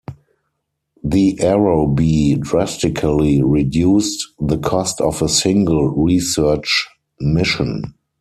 The Aerobee drastically reduced the cost of a single research mission.